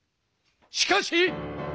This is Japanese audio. しかし！